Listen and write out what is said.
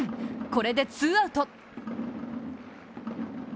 これでツーアウト。